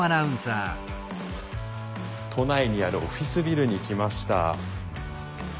都内にあるオフィスビルに来ました。